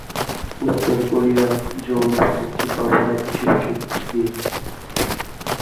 উত্তর কোরিয়া যৌন বাণিজ্যকে অপরাধ হিসেবে স্বীকৃতি দিয়েছে।